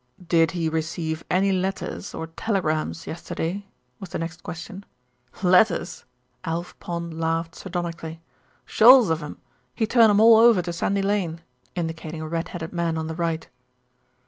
"Did he receive any letters or telegrams yesterday?" was the next question. "Letters!" Alf Pond laughed sardonically. "Shoals of 'em. He'd turn 'em all over to Sandy Lane," indicating a red headed man on the right.